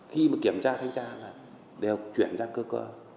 khi mà kiểm tra thanh tra là đều chuyển ra cơ cơ